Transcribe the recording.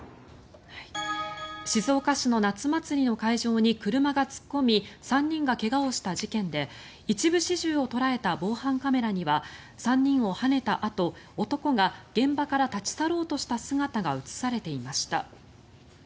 静岡市の夏休みの会場に車が突っ込み３人が怪我をした事件で一部始終を捉えた防犯カメラには３人をはねたあと、男が現場から立ち去ろうとした姿が映されていました。